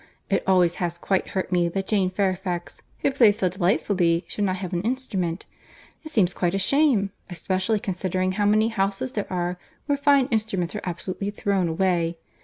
—It always has quite hurt me that Jane Fairfax, who plays so delightfully, should not have an instrument. It seemed quite a shame, especially considering how many houses there are where fine instruments are absolutely thrown away.